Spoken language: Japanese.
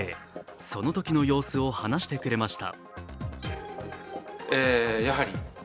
そのときの様子を話してくれました。